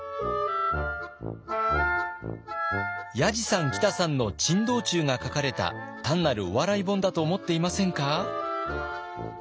やじさんきたさんの珍道中が書かれた単なるお笑い本だと思っていませんか？